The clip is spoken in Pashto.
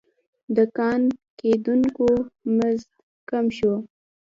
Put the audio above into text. د کان کیندونکو مزد کم شو.